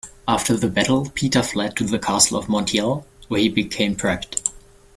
After the battle, Peter fled to the castle of Montiel, where he became trapped.